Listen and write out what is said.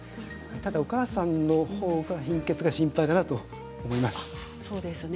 ただお母さんのほうの貧血が心配かなと思います。